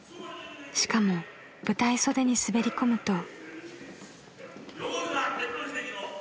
［しかも舞台袖に滑り込むと］